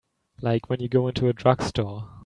Like when you go into a drugstore.